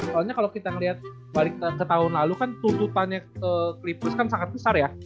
soalnya kalau kita melihat balik ke tahun lalu kan tuntutannya ke cliplus kan sangat besar ya